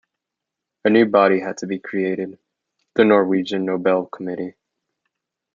A new body had to be created-the Norwegian Nobel Committee.